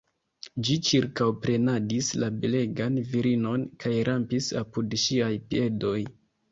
Ĝi ĉirkaŭprenadis la belegan virinon kaj rampis apud ŝiaj piedoj.